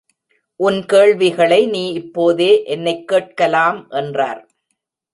உன் கேள்விகளை நீ இப்போதே என்னைக் கேட்கலாம் என்றார்.